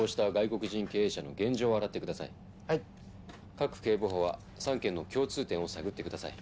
賀来警部補は３件の共通点を探ってください。